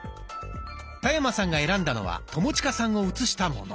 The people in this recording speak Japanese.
田山さんが選んだのは友近さんを写したもの。